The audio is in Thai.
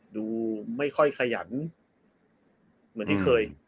ดูไม่ค่อยขยันเหมือนที่เคย